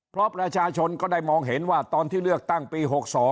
เพราะประชาชนก็ได้มองเห็นว่าตอนที่เลือกตั้งปี๖๒